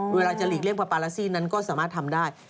เวลาจะหลีกเลี่ยปาลาซี่นั้นก็สามารถทำได้